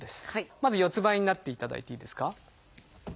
まず四つんばいになっていただいていいですか。